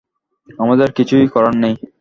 আমাদের কিছুই করার নেই!